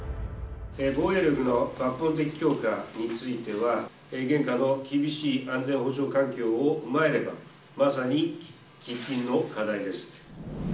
防衛力の抜本的強化については、現下の厳しい安全保障環境を踏まえれば、まさに喫緊の課題です。